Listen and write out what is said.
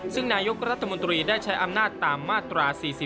ซึ่งนายกรัฐมนตรีได้ใช้อำนาจตามมาตรา๔๔